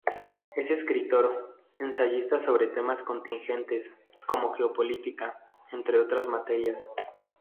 Es escritor, ensayista sobre temas contingentes, como geopolítica, entre otras materias.